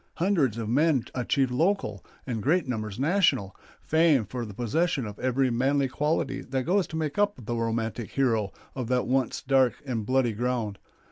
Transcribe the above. Hundreds of men achieved local, and great numbers national, fame for the possession of every manly quality that goes to make up the romantic hero of that once dark and bloody ground.